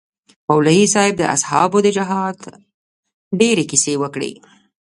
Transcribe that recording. مولوي صاحب د اصحابو د جهاد ډېرې كيسې وكړې.